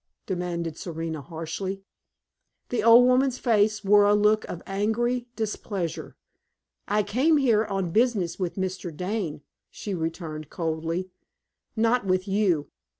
demanded Serena, harshly. The old woman's face wore a look of angry displeasure. "I came here on business with Mr. Dane," she returned, coldly, "not with you.